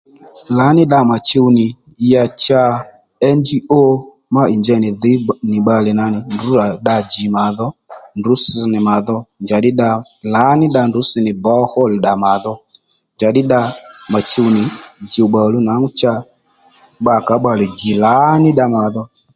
Lǎní dda mà chuw nì ya cha n.g.o má ì njey nì dhǐy nì bbalè nà nì à djì mà dho ndrǔ ss nì mà dho njàddí dda lǎní dda ndrǔ ss nì bǒwá hol ddà ndrǔ ss nì mà dho njàddí dda mà chuw nì djùwbbà luw cha bbakǎ bbalè djì lǎní dda mà dho